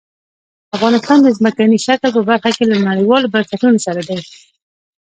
افغانستان د ځمکني شکل په برخه کې له نړیوالو بنسټونو سره دی.